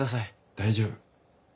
大丈夫。